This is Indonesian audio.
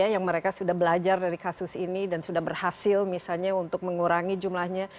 yang mereka sudah belajar dari kasus ini dan sudah berhasil misalnya untuk mengurangi jumlahnya